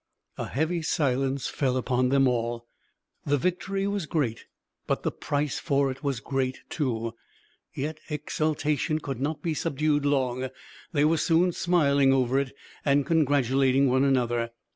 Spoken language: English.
A heavy silence fell upon them all. The victory was great, but the price for it was great, too. Yet exultation could not be subdued long. They were soon smiling over it, and congratulating one another.